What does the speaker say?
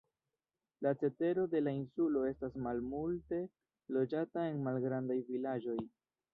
La cetero de la insulo estas malmulte loĝata en malgrandaj vilaĝoj.